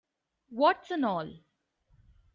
Warts and all!